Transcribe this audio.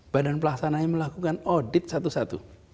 badan pelaksana yang melakukan audit satu satu